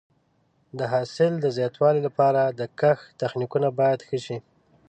د حاصل د زیاتوالي لپاره د کښت تخنیکونه باید ښه شي.